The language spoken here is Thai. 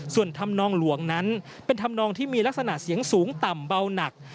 ส่วนธรรมนองหลวงนั้นเป็นธรรมนองที่มีลักษณะเสียงสูงต่ำเบาหนัก